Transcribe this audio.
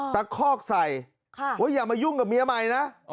คอกใส่ว่าอย่ามายุ่งกับเมียใหม่นะ